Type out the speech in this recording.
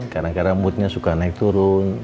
kadang kadang mood nya suka naik turun